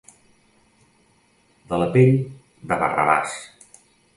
De la pell de Barrabàs.